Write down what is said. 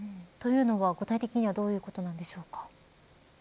具体的にはどういうことでしょうか。